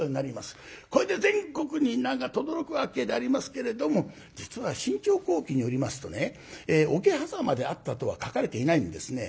これで全国に名がとどろくわけでありますけれども実は「信長公記」によりますとね桶狭間であったとは書かれていないんですね。